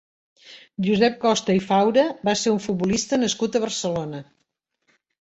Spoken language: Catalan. Josep Costa i Faura va ser un futbolista nascut a Barcelona.